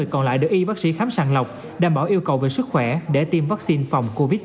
một trăm một mươi còn lại được y bác sĩ khám sàng lọc đảm bảo yêu cầu về sức khỏe để tiêm vaccine phòng covid một mươi chín